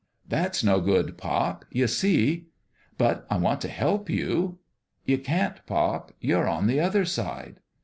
"That's no good, pop. You see "" But I want to help you." " You can't, pop. You're on the other side."